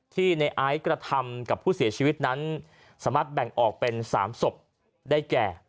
ในไอซ์กระทำกับผู้เสียชีวิตนั้นสามารถแบ่งออกเป็น๓ศพได้แก่